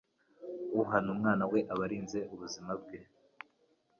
Uhana umunwa we aba arinze ubuzima bwe